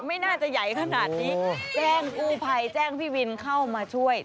ไม่น่าจะใหญ่ขนาดนี้แจ้งกู้ภัยแจ้งพี่วินเข้ามาช่วย